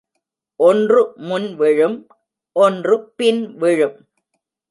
ஒன்று முன் விழும், ஒன்று பின் விழும்.